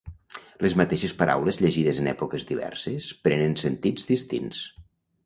Les mateixes paraules llegides en èpoques diverses prenen sentits distints.